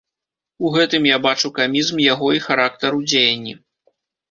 У гэтым я бачу камізм яго і характару дзеянні.